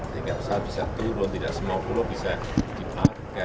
tidak bisa turun tidak semua pulau bisa dibangun